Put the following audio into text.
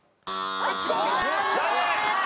残念！